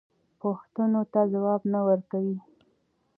پوښتنو ته ځواب نه ورکوي.